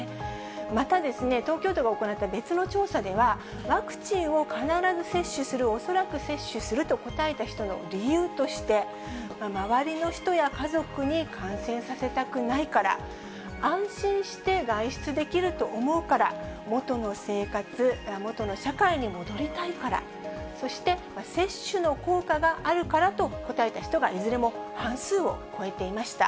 また、東京都が行った別の調査では、ワクチンを必ず接種する、恐らく接種すると答えた人の理由として、周りの人や家族に感染させたくないから、安心して外出できると思うから、元の生活、元の社会に戻りたいから、そして接種の効果があるからと答えた人が、いずれも半数を超えていました。